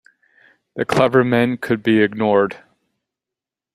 The clever men could be ignored.